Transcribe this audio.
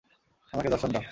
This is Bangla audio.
আমাকে দর্শন দাও!